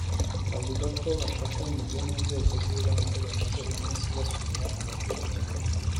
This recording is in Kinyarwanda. Avuga ko bafatanyije n’inzego z’ibanze bamaze iminsi basura abaturage